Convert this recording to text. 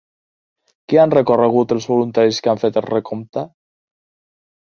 Què han recorregut els voluntaris que han fet el recompte?